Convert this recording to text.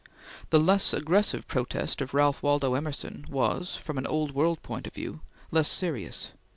The less aggressive protest of Ralph Waldo Emerson, was, from an old world point of view, less serious.